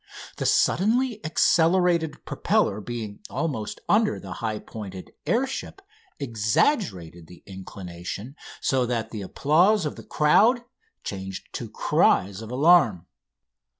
The suddenly accelerated propeller being almost under the high pointed air ship exaggerated the inclination, so that the applause of the crowd changed to cries of alarm.